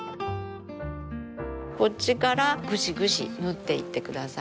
こっちからぐしぐし縫っていってください。